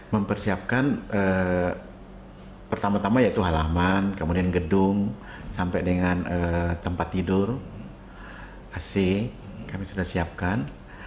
mempersiapkan pertama tama yaitu halaman kemudian gedung sampai dengan tempat tidur ac kami sudah siapkan